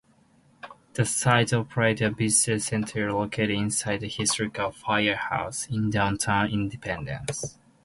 The site operates a visitor's center, located inside an historic firehouse, in downtown Independence.